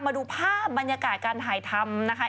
มาดูภาพบรรยากาศการถ่ายทำนะคะ